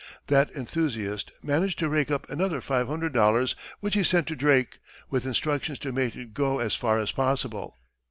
That enthusiast managed to rake up another $500, which he sent to Drake, with instructions to make it go as far as possible.